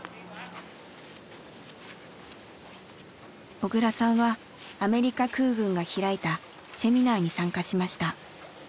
小倉さんはアメリカ空軍が開いたセミナーに参加しました。